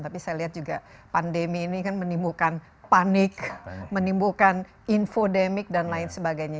tapi saya lihat juga pandemi ini kan menimbulkan panik menimbulkan infodemik dan lain sebagainya